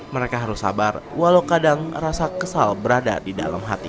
mereka harus sabar walau kadang rasa kesal berada di dalam hati